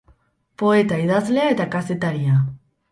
Poeta, idazlea, eta kazetaria.